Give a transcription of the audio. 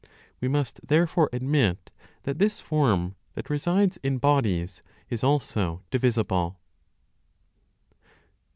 We must therefore admit that this form (that resides in bodies) is also divisible.